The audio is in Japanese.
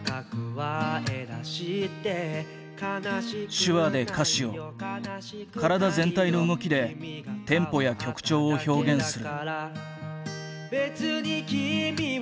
手話で歌詞を体全体の動きでテンポや曲調を表現する。